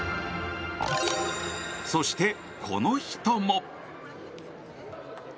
そして、この人も。